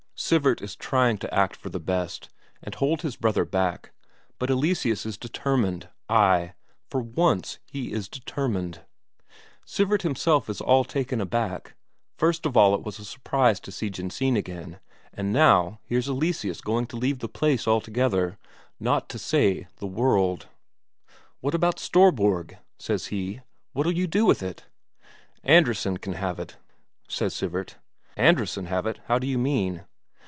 Sivert is trying to act for the best, and hold his brother back, but Eleseus is determined, ay, for once he is determined. Sivert himself is all taken aback; first of all it was a surprise to see Jensine again, and now here's Eleseus going to leave the place altogether, not to say the world. "What about Storborg?" says he. "What'll you do with it?" "Andresen can have it," says Sivert. "Andresen have it? How d'you mean?"